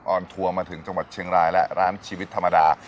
อนทัวร์มาถึงจังหวัดเชียงรายและร้านชีวิตธรรมดา